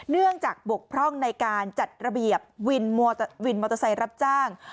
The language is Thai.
เนื่องจากบกพร่องในการจัดระเบียบวินมอเตอร์ไซค์รับจ้าง